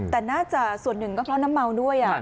แต่น่าจะส่วนหนึ่งก็เพราะน้ำเมาด้วย